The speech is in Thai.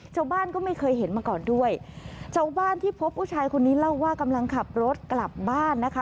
ชาวบ้านก็ไม่เคยเห็นมาก่อนด้วยชาวบ้านที่พบผู้ชายคนนี้เล่าว่ากำลังขับรถกลับบ้านนะคะ